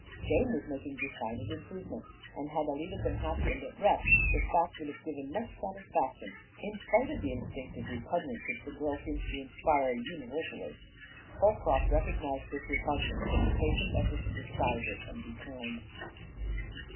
Jane was making decided improvement, and had Alida been happy and at rest this fact would have given much satisfaction in spite of the instinctive repugnance which the girl seemed to inspire universally. Holcroft recognized this repugnance and the patient effort to disguise it and be kind.